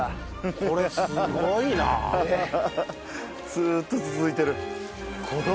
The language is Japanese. ずーっと続いてる。